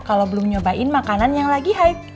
kalau belum nyobain makanan yang lagi hype